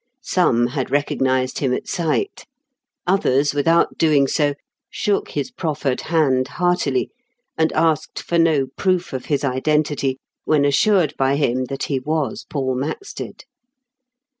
Some had recognised him at sight ; others, without doing so, shook his proffered hand heartily, and asked for no proof of his identity, when assured by him that he was Paul Maxted.